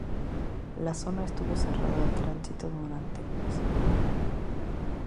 La zona estuvo cerrada al tránsito durante una semana.